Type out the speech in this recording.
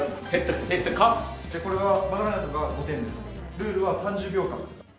ルールは３０秒間。